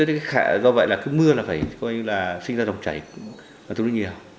do vậy là cái mưa là phải coi như là sinh ra dòng chảy rất là nhiều